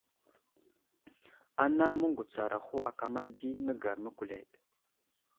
Ana məŋgutsaraho akama di nəgar məkuleɗ.